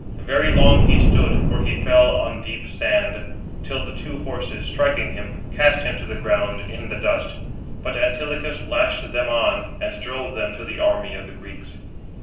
Very long he stood (for he fell on deep sand), till the two horses, striking him, cast him to the ground in the dust: but Antilochus lashed them on, and drove them to the army of the Greeks.